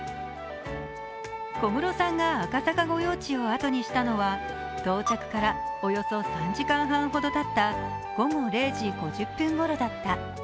小室さんが赤坂御用地を後にしたのは到着からおよそ３時間半ほどたった、午後０時５０分ごろだった。